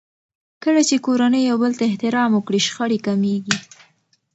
کله چې کورنۍ يو بل ته احترام وکړي، شخړې کمېږي.